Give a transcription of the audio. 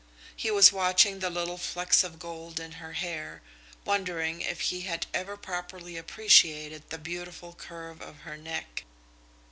He was watching the little flecks of gold in her hair, wondering if he had ever properly appreciated the beautiful curve of her neck.